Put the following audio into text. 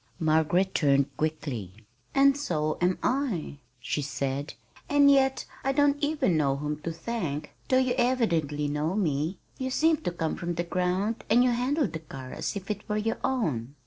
Margaret turned quickly. "And so am I," she said, "and yet I don't even know whom to thank, though you evidently know me. You seemed to come from the ground, and you handled the car as if it were your own."